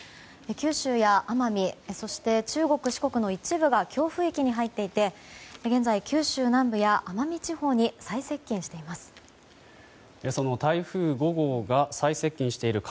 九州や奄美、そして中国、四国の一部が強風域に入っていて現在、九州南部や奄美地方に最接近しています。